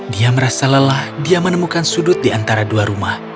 dia merasa lelah dia menemukan sudut di antara dua rumah